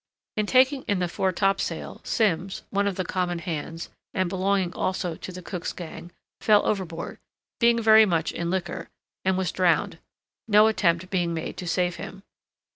In taking in the foretopsail, Simms, one of the common hands, and belonging also to the cook's gang, fell overboard, being very much in liquor, and was drowned—no attempt being made to save him.